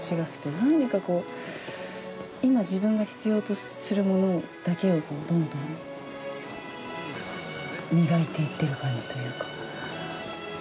何か、今自分が必要とするものだけをどんどん磨いていってる感じというか。